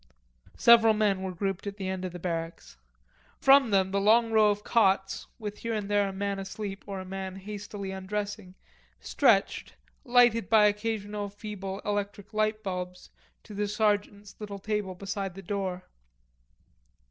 Several men were grouped at the end of the barracks. From them the long row of cots, with here and there a man asleep or a man hastily undressing, stretched, lighted by occasional feeble electric light bulbs, to the sergeant's little table beside the door.